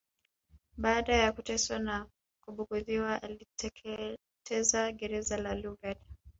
Baada ya kuteswa na kubughudhiwa aliliteketeza gereza la Lugard